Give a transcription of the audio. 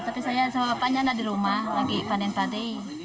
tapi saya sama pak nyana di rumah lagi panen pade